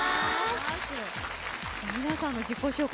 皆さんの自己紹介